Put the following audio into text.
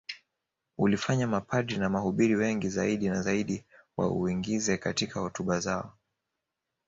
Ulifanya mapadri na wahubiri wengi zaidi na zaidi wauingize katika hotuba zao